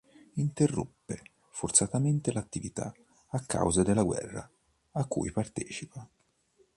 Interrompe forzatamente l'attività a causa della guerra, a cui partecipa.